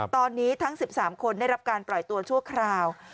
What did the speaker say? ตอนนี้ทั้ง๑๓คนได้รับการปล่อยตัวชั่วคราว